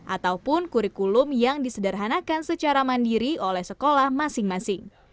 ataupun kurikulum yang disederhanakan secara mandiri oleh sekolah masing masing